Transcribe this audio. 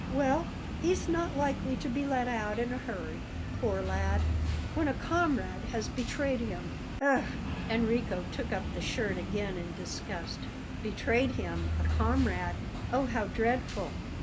"Well, he's not likely to be let out in a hurry, poor lad, when a comrade has betrayed him. Ugh!" Enrico took up the shirt again in disgust. "Betrayed him? A comrade? Oh, how dreadful!"